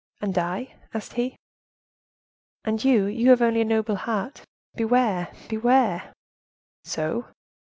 "And I?" asked he. "And you, you have only a noble heart. Beware! beware!" "So?"